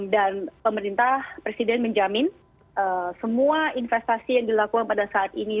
dan pemerintah presiden menjamin semua investasi yang dilakukan pada saat ini